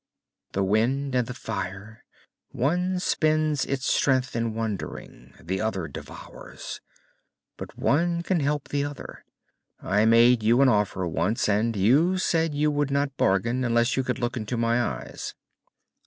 "The wind and the fire. One spends its strength in wandering, the other devours. But one can help the other. I made you an offer once, and you said you would not bargain unless you could look into my eyes.